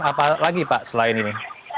apa lagi pak selain ini